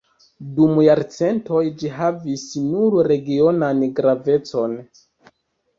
Dum jarcentoj ĝi havis nur regionan gravecon.